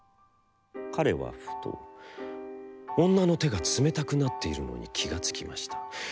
彼はふと女の手が冷めたくなっているのに気がつきました。